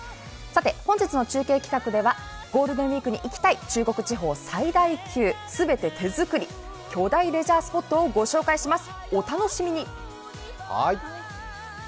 本日の中継企画ではゴールデンウイークに行きたい中国地方最大級全て手作り巨大レジャースポットをご紹介します。